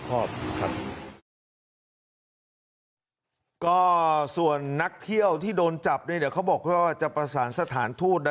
ก็ส่วนนักเที่ยวที่โดนจับเนี่ยเดี๋ยวเขาบอกแค่ว่าจะประสานสถานทูตนะ